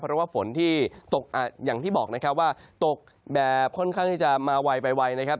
เพราะว่าฝนที่ตกอย่างที่บอกนะครับว่าตกแบบค่อนข้างที่จะมาไวนะครับ